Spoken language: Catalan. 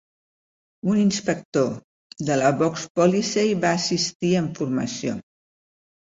Un inspector de la Volkspolizei va assistir amb formació.